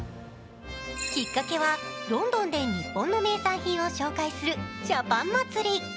きっかけはロンドンで日本の名産品を紹介するジャパン祭り。